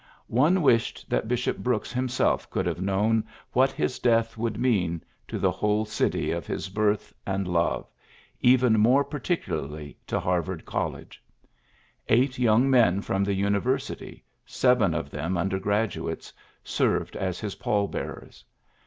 ^' One wished that Bishop Brooks himself could have known what his death would mean to the whole city of his birth PHILLIPS BEOOKS 109 and love, and even more particularly to Harvard College. Eight young men from the University, seven of them under graduates, served as his pall bearers.